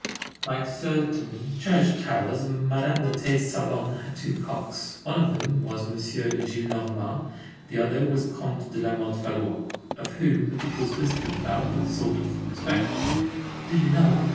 Like certain church towers, Madame de T.'s salon had two cocks. One of them was M. Gillenormand, the other was Comte de Lamothe Valois, of whom it was whispered about, with a sort of respect: "Do you know?